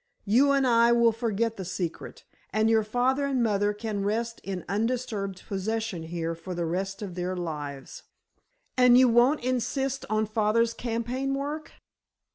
You and I will forget the secret, and your father and mother can rest in undisturbed possession here for the rest of their lives." "And you wouldn't insist on father's campaign work?"